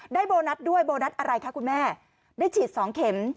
โบนัสด้วยโบนัสอะไรคะคุณแม่ได้ฉีด๒เข็ม